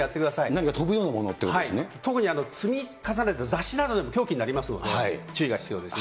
何か飛ぶようなものというこ特に積み重ねた雑誌などでも凶器になりますので、注意が必要です。